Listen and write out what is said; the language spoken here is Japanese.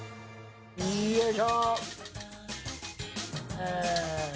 よいしょ！